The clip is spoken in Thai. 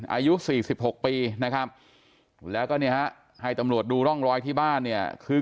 อายุ๔๖ปีนะครับแล้วก็เนี่ยฮะให้ตำรวจดูร่องรอยที่บ้านเนี่ยคือ